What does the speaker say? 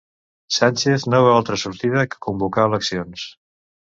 Sánchez no veu altra sortida que convocar eleccions